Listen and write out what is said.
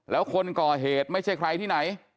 แล้วคนก่อเหตุไม่ใช่ใครที่ไหน